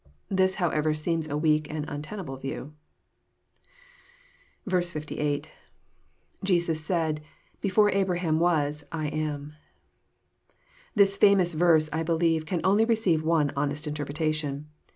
This, however, seems a weak and untenable view. tS.^lJesus said,., before Abraham wast lam."] This famous verse, I believe, can only receive one honest interpretation.